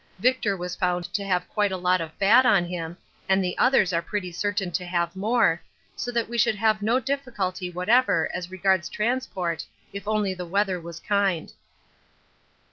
Victor was found to have quite a lot of fat on him and the others are pretty certain to have more, so that vwe should have no difficulty whatever as regards transport if only the weather was kind.